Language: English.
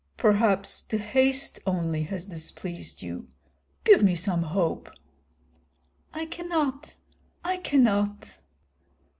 "Perhaps the haste only has displeased you. Give me some hope." "I cannot, I cannot."